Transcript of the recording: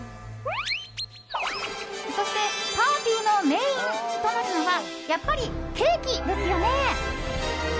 そしてパーティーのメインとなるのはやっぱり、ケーキですよね。